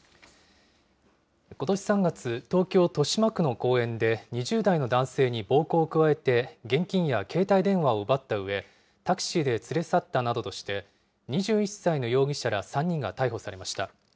ことし３月、東京・豊島区の公園で２０代の男性に暴行を加え、現金や携帯電話を奪ったうえ、タクシーで連れ去ったなどとして、２１歳の容疑者ら３人が逮捕されました。